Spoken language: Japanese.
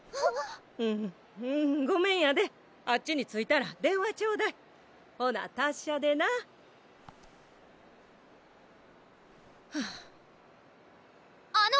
・うんうんごめんやであっちに着いたら電話ちょうだいほな達者でなハァあの！